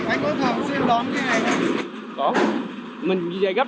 anh có thảo xe đón ghế này không